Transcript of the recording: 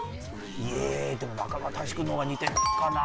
ええーでも中川大志君の方が似てるかな。